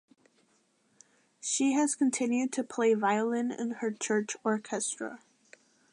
She has continued to play violin in her church orchestra.